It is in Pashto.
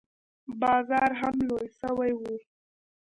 بازار هم لوى سوى و.